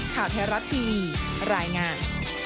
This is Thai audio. ข่าวไทยรัฐทีวีรายงาน